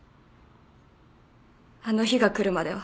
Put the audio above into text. あの日が来るまでは。